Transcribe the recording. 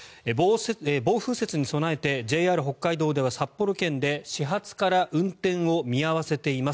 暴風雪に備えてＪＲ北海道では札幌圏で、始発から運転を見合わせています。